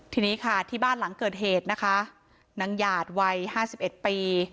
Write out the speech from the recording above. ทีนี้ค่ะที่บ้านหลังเกิดเหตุนะคะนางหยาดวัย๕๑ปี